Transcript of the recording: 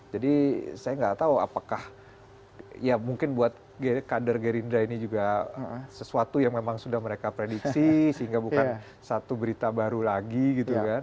saya nggak tahu apakah ya mungkin buat kader gerindra ini juga sesuatu yang memang sudah mereka prediksi sehingga bukan satu berita baru lagi gitu kan